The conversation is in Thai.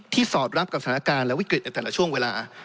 สอดรับกับสถานการณ์และวิกฤตในแต่ละช่วงเวลา